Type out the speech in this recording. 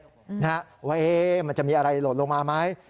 ว่ามันจะมีอะไรหล่นลงมาไหม